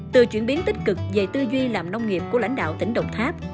từ chuyển biến tích cực về tư duy làm nông nghiệp của lãnh đạo tỉnh đồng tháp